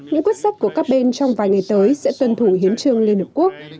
những quyết sách của các bên trong vài ngày tới sẽ tuân thủ hiến trương liên hợp quốc